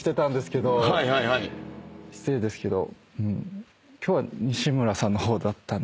失礼ですけどうん。